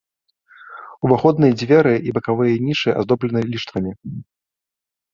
Уваходныя дзверы і бакавыя нішы аздоблены ліштвамі.